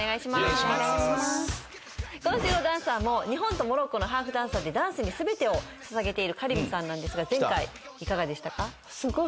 今週のダンサーも日本とモロッコのハーフダンサーでダンスに全てを捧げているＫａｒｉｍさんなんですが前回いかがでしたか？